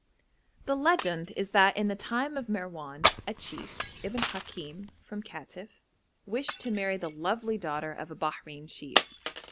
The legend is that in the time of Merwan, a chief, Ibn Hakim, from Katif, wished to marry the lovely daughter of a Bahrein chief.